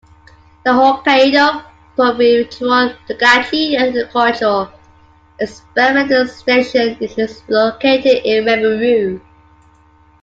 The Hokkaido Prefectural Tokachi Agricultural Experiment Station is located in Memuro.